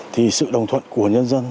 thì sự đồng thuận của nhân dân